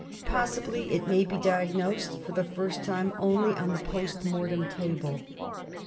Possibly it may be diagnosed for the first time only on the post mortem table.